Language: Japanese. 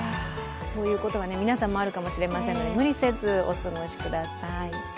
そういうことは皆さんもあるかもしれませんので、無理せず、お過ごしください。